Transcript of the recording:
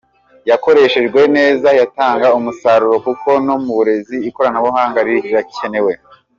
Yakoreshejwe neza yatanga umusaruro kuko no mu burezi ikoranabuhanga rirakenewe.